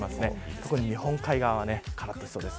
特に日本海側はからっとしそうです。